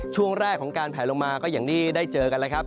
ช่วงแรกของการแผลลงมาก็อย่างที่ได้เจอกันแล้วครับ